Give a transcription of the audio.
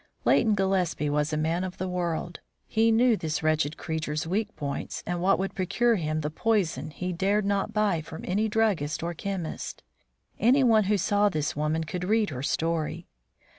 Leighton Gillespie was a man of the world. He knew this wretched creature's weak points and what would procure him the poison he dared not buy from any druggist or chemist. Anyone who saw this woman could read her story.